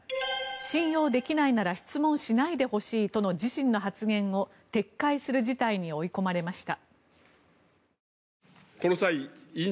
信用できないなら質問しないでほしいとの自身の発言を撤回する事態に追い込まれました。